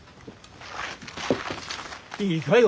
いいかい？